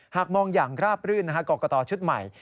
หากมองอย่างราบรื่นกรกตชุดใหม่